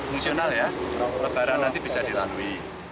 fungsional ya lebaran nanti bisa dilalui